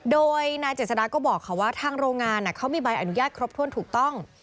โดยนายเจษฎาก็บอกค่ะว่าทางโรงงานเขามีใบอนุญาตครบถ้วนถูกต้อง